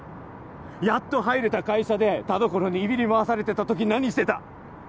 やっと入れた会社で田所にいびり回されてた時何してた？